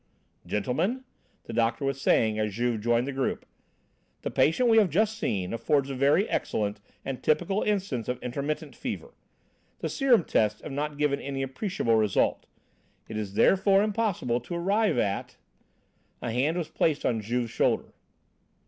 "Gentlemen," the doctor was saying as Juve joined the group, "the patient we have just seen affords a very excellent and typical instance of intermittent fever. The serum tests have not given any appreciable result; it is therefore impossible to arrive at " A hand was laid on Juve's shoulder.